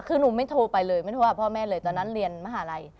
คือหนูไม่โทรไปเลยไม่โทรหาพ่อแม่เลยตอนนั้นเรียนมหาลัย